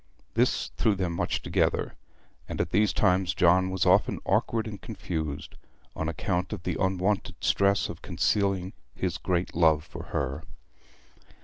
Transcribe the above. This threw them much together; and at these times John was often awkward and confused, on account of the unwonted stress of concealing his great love for her.